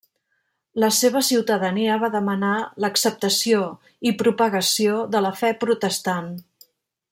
La seva ciutadania va demanar l'acceptació i propagació de la fe protestant.